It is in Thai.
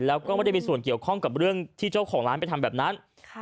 แล้วก็ไม่ได้มีส่วนเกี่ยวข้องกับเรื่องที่เจ้าของร้านไปทำแบบนั้น